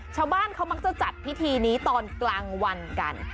ชาวบ้านเขามักจะจัดพิธีนี้ตอนกลางวันกัน